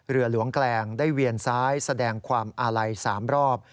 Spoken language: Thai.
เรือหลวงแกลงได้เวียนซ้ายแสดงความอาลัย๓รอบ